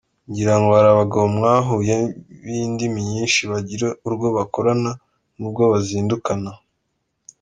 Ngira ngo hari abagabo mwahuye b’indimi nyinshi, bagira urwo bakorana n’urwo bazindukana.